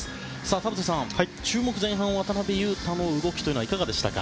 田臥さん、注目の前半渡邊雄太の動きはいかがでしたか？